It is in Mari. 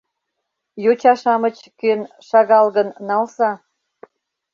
— Йоча-шамыч кӧн, шагал гын, налза.